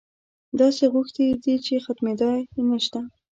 داسې غوښتنې یې دي چې ختمېدا یې نشته.